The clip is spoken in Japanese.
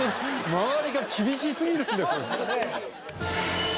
周りが厳しすぎるんだよ。